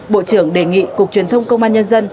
bộ trưởng đề nghị cục truyền thông công an nhân dân